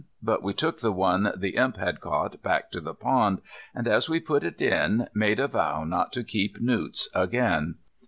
But we took the one the Imp had caught back to the pond, and, as we put it in, made a vow not to keep newts again.